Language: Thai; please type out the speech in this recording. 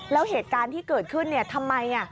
แล้วเหตุการณ์ที่เกิดขึ้นทำไม